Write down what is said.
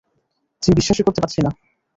Gym, বিশ্বাসই করতে পারছি না।